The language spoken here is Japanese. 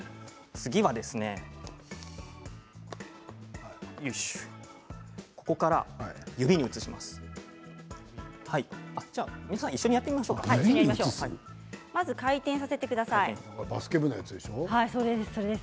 次は、ここから指に移します。